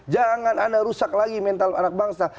jangan anda rusak lagi mental anak bangsa